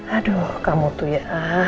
aduh kamu tuh ya